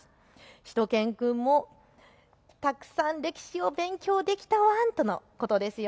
しゅと犬くんもたくさん歴史を勉強できたワンとのことですよ。